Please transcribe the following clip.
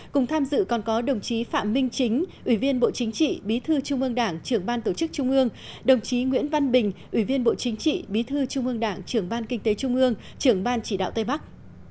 cùng tham dự còn có đồng chí phạm minh chính ủy viên bộ chính trị bí thư trung ương đảng trưởng ban tổ chức trung ương đồng chí nguyễn văn bình ủy viên bộ chính trị bí thư trung ương đảng trưởng ban kinh tế trung ương trưởng ban chỉ đạo tây bắc